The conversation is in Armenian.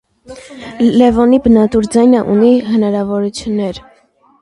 Լեւոնի բնատուր ձայնը ունի հնարաւորութիւններ։